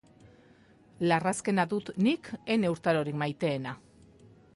Larrazkena dut nik ene urtarorik maiteena.